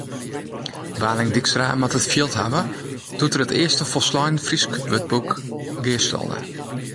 Waling Dykstra moat it field hawwe doe’t er it earste folslein Fryske wurdboek gearstalde.